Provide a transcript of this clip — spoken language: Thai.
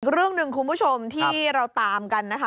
เรื่องหนึ่งคุณผู้ชมที่เราตามกันนะคะ